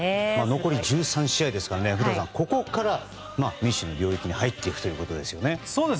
残り１３試合ですから古田さん、ここから未知の領域に入っていくということですよね。